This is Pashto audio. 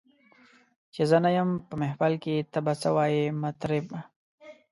چي زه نه یم په محفل کي ته به څه وایې مطربه